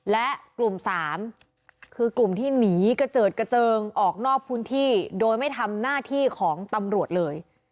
และกลุ่ม๓คือกลุ่มที่หนีกระเจิดกระเจิงออกนอกพื้นที่โดยไม่ทำหน้าที่ของตำรวจเลย